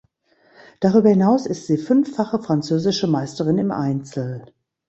Darüber hinaus ist sie fünffache französische Meisterin im Einzel.